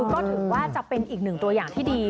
ก็ถือว่าจะเป็นอีกหนึ่งตัวอย่างที่ดี